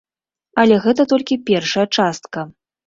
Але гэта толькі першая частка.